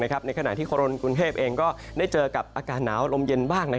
ในขณะที่คนกรุงเทพเองก็ได้เจอกับอากาศหนาวลมเย็นบ้าง